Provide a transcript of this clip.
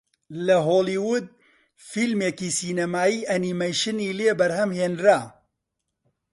لە هۆڵیوود فیلمێکی سینەمایی ئەنیمەیشنی لێ بەرهەم هێنرا